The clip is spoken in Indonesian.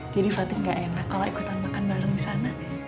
jadi fatin gak enak kalau ikutan makan bareng di sana